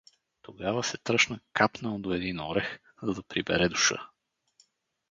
Тогава се тръшна капнал до един орех, за да прибере душа.